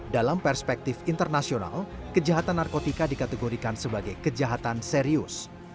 dalam perspektif internasional kejahatan narkotika dikategorikan sebagai kejahatan serius